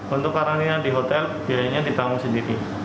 untuk karantina di hotel biayanya ditanggung sendiri